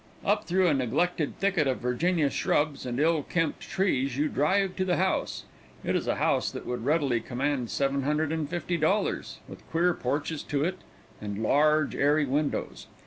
Up through a neglected thicket of Virginia shrubs and ill kempt trees you drive to the house. It is a house that would readily command $750, with queer porches to it, and large, airy windows.